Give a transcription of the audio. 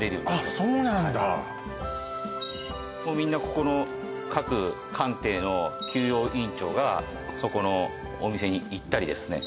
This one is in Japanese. はいもうみんなここの各艦艇の給養員長がそこのお店に行ったりですね